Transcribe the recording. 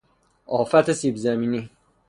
آفت سیبزمینی